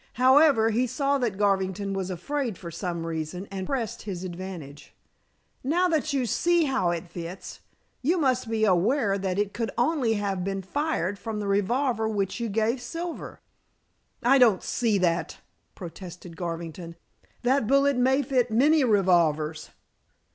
However, he saw that Garvington was afraid for some reason, and pressed his advantage. "Now that you see how it fits, you must be aware that it could only have been fired from the revolver which you gave Silver." "I don't see that," protested Garvington. "That bullet may fit many revolvers."